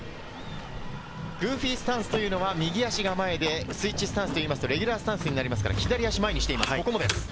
グーフィースタンスというのは右足が前でスイッチスタンスと言いますと、レギュラースタンスになりますから、左足を前にしています。